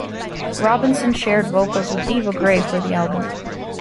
Robinson shared vocals with Diva Gray for the album.